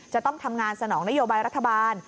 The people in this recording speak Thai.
จะต้องทำงานสนองนโยบายรัฐบาล